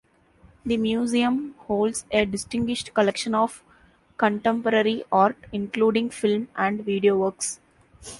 The museum holds a distinguished collection of contemporary art, including film and video works.